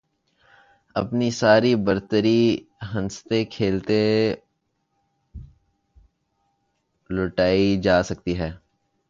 اپنی ساری برتری ہنستے کھیلتے لُٹائی جا سکتی ہے